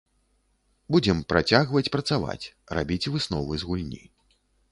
Будзем працягваць працаваць, рабіць высновы з гульні.